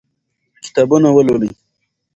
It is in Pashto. کتابونه ولولئ.